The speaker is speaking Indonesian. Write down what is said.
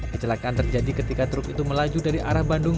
kecelakaan terjadi ketika truk itu melaju dari arah bandung